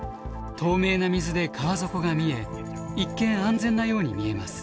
透明な水で川底が見え一見安全なように見えます。